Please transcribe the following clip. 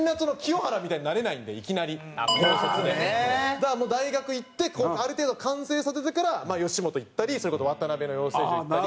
だから大学行ってある程度完成させてから吉本行ったりそれこそワタナベの養成所行ったり。